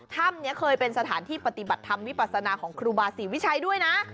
ถ้ำนี้เคยเป็นสถานที่ปฏิบัติธรรมวิปัสนาของครูบาศรีวิชัยด้วยนะ